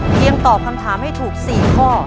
เพียงตอบคำถามให้ถูก๔ข้อ